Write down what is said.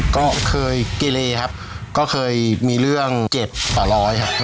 ก็เคยเกเลครับก็เคยมีเรื่องเจ็บต่อร้อยครับ